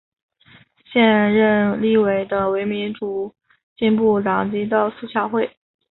现任立委为民主进步党籍的苏巧慧。